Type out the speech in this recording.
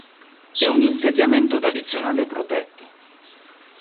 È un insediamento tradizionale protetto.